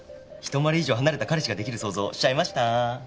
一回り以上離れた彼氏ができる想像しちゃいましたー？